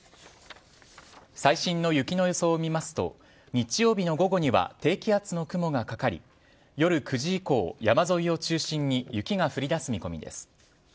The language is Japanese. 最新の雪の予想を見ますと日曜日の午後には低気圧の雲がかかり夜９時以降、山沿いを中心に雪が降り出す見込みです。